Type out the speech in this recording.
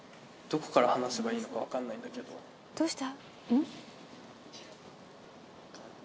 どうした？